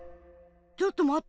ちょっとまって。